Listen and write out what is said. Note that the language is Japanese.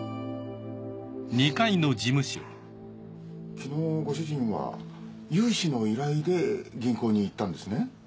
昨日ご主人は融資の依頼で銀行に行ったんですね？